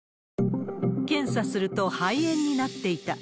検査すると、肺炎になっていた。